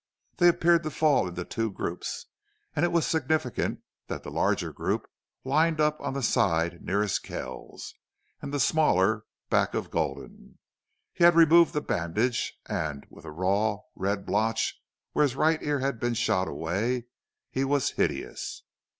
They appeared to fall into two groups, and it was significant that the larger group lined up on the side nearest Kells, and the smaller back of Gulden. He had removed the bandage, and with a raw, red blotch where his right ear had been shot away, he was hideous.